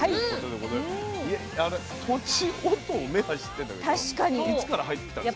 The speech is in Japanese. いやあのとちおとめは知ってんだけどいつから入ってきたんですか？